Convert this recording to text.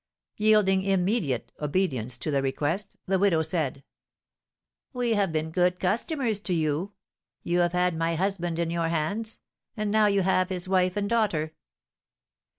Yielding immediate obedience to the request, the widow said: "We have been good customers to you; you have had my husband in your hands, and now you have his wife and daughter!"